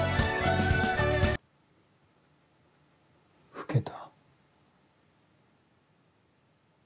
老けた？